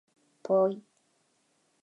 ぽい